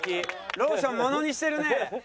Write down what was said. ローションものにしてるね。